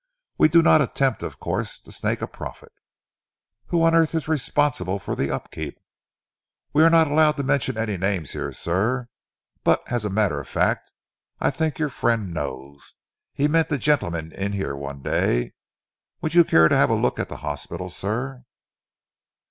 We do not attempt, of course, to snake a profit." "Who on earth is responsible for the upkeep?" "We are not allowed to mention any names here, sir, but as a matter of fact I think that your friend knows. He met the gentleman in here one day. Would you care to have a look at the hospital, sir?"